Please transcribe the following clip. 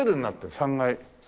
３階。